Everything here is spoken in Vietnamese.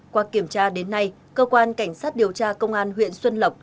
qua kiểm tra đến nay cơ quan cảnh sát điều tra công an huyện xuân lộc